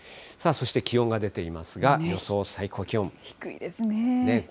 そして気温が出ていますが、予想低いですね。